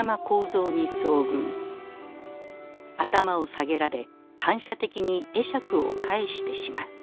頭を下げられ反射的に会釈を返してしまう。